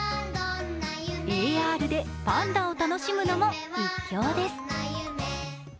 ＡＲでパンダを楽しむのも一興です。